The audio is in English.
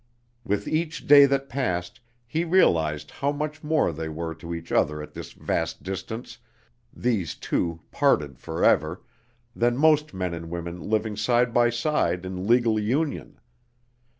With each day that passed he realized how much more they were to each other at this vast distance these two, parted forever than most men and women living side by side in legal union.